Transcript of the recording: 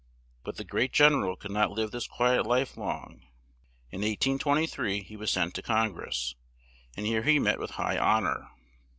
But the great gen er al could not live this qui et life long; in 1823 he was sent to Con gress; and here he met with high hon or.